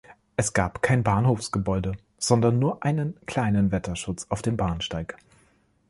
Es gab kein Bahnhofsgebäude, sondern nur einen kleinen Wetterschutz auf dem Bahnsteig.